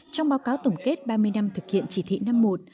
trong báo cáo tổng kết ba mươi năm thực hiện chỉ thị năm một